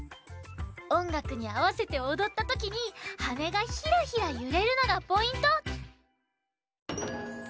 おんがくにあわせておどったときにはねがヒラヒラゆれるのがポイント！